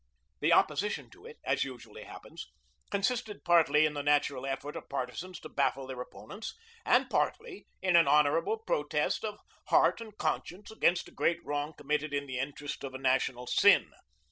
The opposition to it as usually happens consisted partly in the natural effort of partisans to baffle their opponents, and partly in an honorable protest of heart and conscience against a great wrong committed in the interest of a national sin.